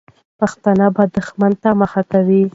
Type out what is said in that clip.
پښتانه به دښمن ته مخه کوي.